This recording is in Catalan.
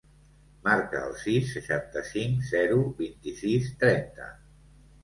Marca el sis, seixanta-cinc, zero, vint-i-sis, trenta.